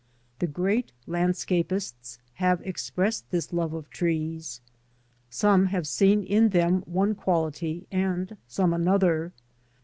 The great landscapists have expressed this love of trees; some have seen in them one quality, and some another.